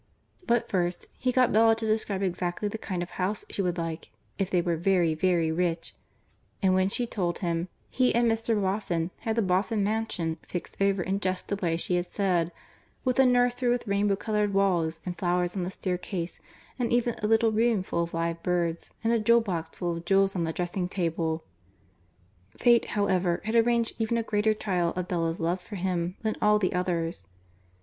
But first he got Bella to describe exactly the kind of house she would like if they were very, very rich, and when she told him, he and Mr. Boffin had the Boffin mansion fixed over in just the way she had said with a nursery with rainbow colored walls and flowers on the staircase, and even a little room full of live birds, and a jewel box full of jewels on the dressing table. Fate, however, had arranged even a greater trial of Bella's love for him than all the others.